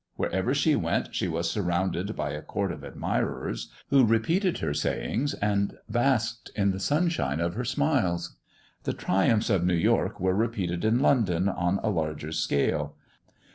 Wherever she went she was surrounded by a court of admirers, who repeated her sayings and basked in the sunshine of her smiles. The triumphs of New York were repeated in London on a larger scale.